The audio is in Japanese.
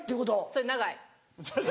それ長い。